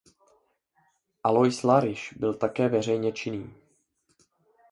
Alois Larisch byl také veřejně činný.